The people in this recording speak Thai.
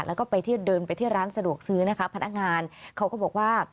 แล้วก็ไปเที่ยวเดินไปที่ร้านสะดวกซื้อนะคะพนักงานเขาก็บอกว่า